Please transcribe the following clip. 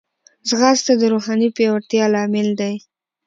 ځغاسته د روحاني پیاوړتیا لامل دی